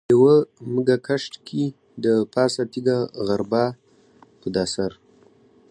چې لېوه مږه کش کي دپاسه تيږه غربا په دا سر.